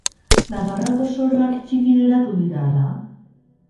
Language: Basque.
Nafarroako soroak txiki geratu dira ala?